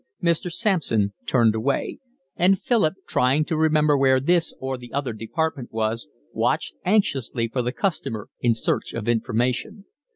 Mr. Sampson turned away; and Philip, trying to remember where this or the other department was, watched anxiously for the customer in search of information.